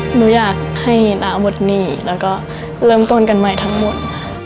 หนูอยากให้น้าหมดหนี้แล้วก็เริ่มต้นกันใหม่ทั้งหมด